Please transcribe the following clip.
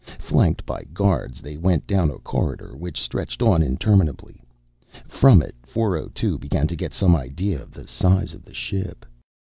Flanked by guards, they went down a corridor which stretched on interminably. From it, 402 began to get some idea of the size of the ship.